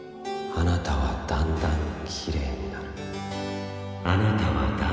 「あなたはだんだんきれいになる」